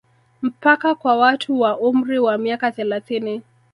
Mpaka kwa watu wa umri wa miaka thelathini